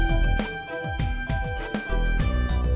enggak juga pam